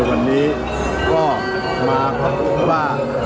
วันนี้ก็มาเขาบอกว่า